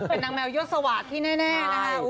เป็นนางแมวยั่วสวัสดิ์ที่แน่นะคะ